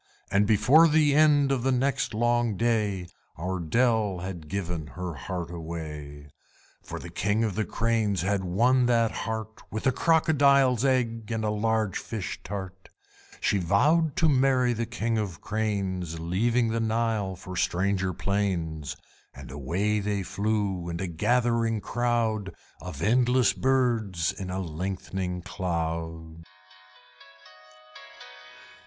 And before the end of the next long day Our Dell had given her heart away; For the King of the Cranes had won that heart With a Crocodile's egg and a large fish tart. She vowed to marry the King of the Cranes, Leaving the Nile for stranger plains; And away they flew in a gathering crowd Of endless birds in a lengthening cloud.